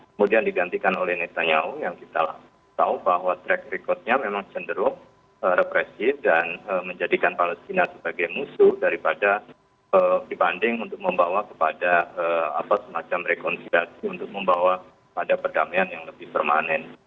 kemudian digantikan oleh netanyao yang kita tahu bahwa track recordnya memang cenderung represif dan menjadikan palestina sebagai musuh daripada dibanding untuk membawa kepada semacam rekonsiliasi untuk membawa pada perdamaian yang lebih permanen